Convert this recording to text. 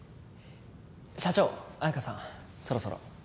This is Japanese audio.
社長綾華さんそろそろ